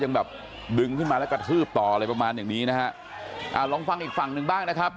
เรยังแบบนึงที่มันเรากระทืบต่ออะไรประมาณอย่างนี้นะฮะลองฟังอีกฝั่งนึงบ้างนะครับ